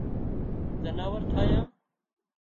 زناور ٺاهيان